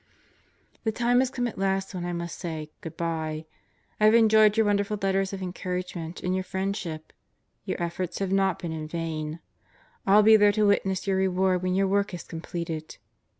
The time has come at last when I must say "Good by." I've enjoyed your wonderful letters of encouragement and your friend ship. Your efforts have not been in vain. I'll be there to witness your reward when your work is completed.